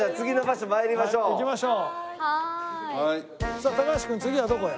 さあ高橋君次はどこへ？